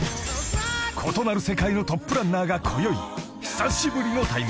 ［異なる世界のトップランナーがこよい久しぶりの対面］